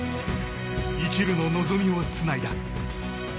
一縷の望みをつないだ。